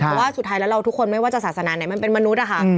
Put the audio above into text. เพราะว่าสุดท้ายแล้วเราทุกคนไม่ว่าจะศาสนาไหนมันเป็นมนุษย์อะค่ะ